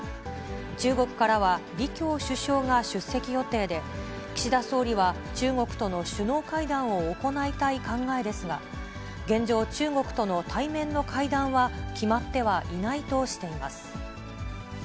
中国からは、李強首相が出席予定で、岸田総理は中国との首脳会談を行いたい考えですが、現状、中国との対面の会談は決まってはいないとしています。